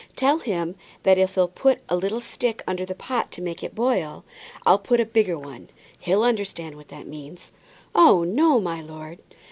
Tell him that if he'll put a little stick under the pot to make it boil, I'll put a bigger one. He'll understand what that means." "Oh, no, my lord."